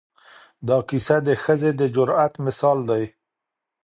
دا کیسه د ښځې د جرأت مثال دی.